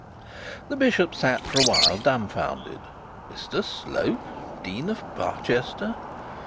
The bishop sat for a while dumfounded. Mr Slope dean of Barchester!